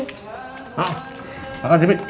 pak makan demi